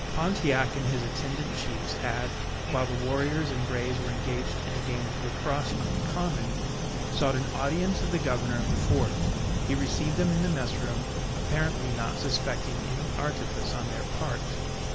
Pontiac and his attendant chiefs had, while the warriors and braves were engaged in the game of Lacrosse on the common, sought an audience of the governor of the fort. He received them in the mess room, apparently not suspecting any artifice on their part.